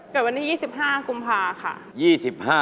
เกิดวันที่๒๕กุมภาค่ะ